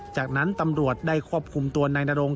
จากนั้นตำรวจได้ควบคุมตัวนายนรง